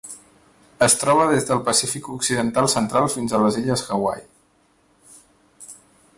Es troba des del Pacífic occidental central fins a les illes Hawaii.